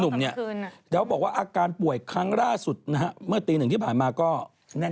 พี่เยอร์กูจะเป็นใบเตย